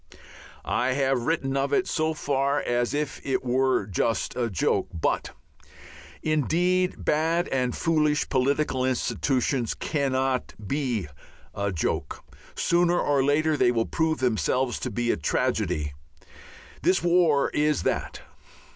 I have written of it so far as if it were just a joke. But indeed bad and foolish political institutions cannot be a joke. Sooner or later they prove themselves to be tragedy. This war is that.